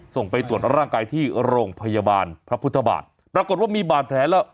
ส่งไปตรวจร่างกายที่โรงพยาบาลพระพุทธบาทปรากฏว่ามีบาดแผลแล้ว